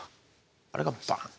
あれがバンッ。